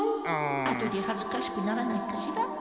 あとではずかしくならないかしら？